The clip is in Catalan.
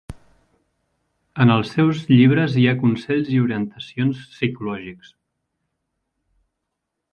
En els seus llibres hi ha consells i orientacions psicològics.